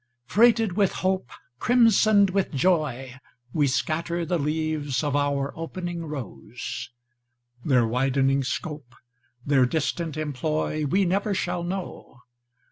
Freighted with hope, Crimsoned with joy, We scatter the leaves of our opening rose; Their widening scope, Their distant employ, We never shall know.